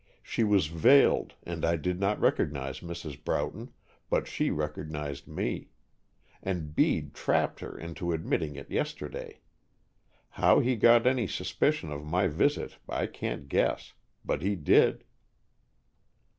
She was veiled and I did not recognize Mrs. Broughton, but she recognized me. And Bede trapped her into admitting it yesterday. How he got any suspicion of my visit, I can't guess. But he did."